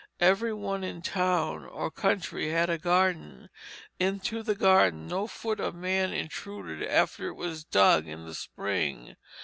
Every one in town or country had a garden. Into the garden no foot of man intruded after it was dug in the spring.